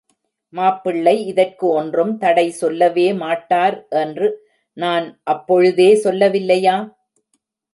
மாப்பிள்ளை இதற்கு ஒன்றும் தடை சொல்லவே மாட்டார் என்று நான் அப்பொழுதே சொல்லவில்லையா?